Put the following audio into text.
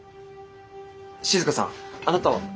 静さんあなたは。